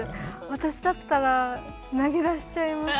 私だったら投げ出しちゃいます。